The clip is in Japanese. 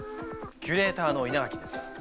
キュレーターの稲垣です。